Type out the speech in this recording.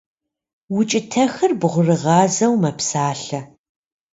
Укӏытэхыр бгъурыгъазэу мэпсалъэ.